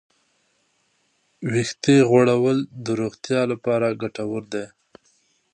ویښتې غوړول د روغتیا لپاره ګټور دي.